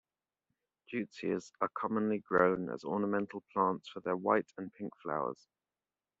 Deutzias are commonly grown as ornamental plants for their white and pink flowers.